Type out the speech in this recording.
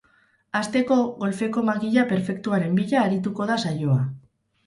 Hasteko, golfeko makila perfektuaren bila arituko da saioa.